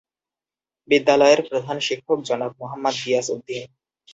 বিদ্যালয়ের প্রধান শিক্ষক জনাব মোহাম্মদ গিয়াস উদ্দীন।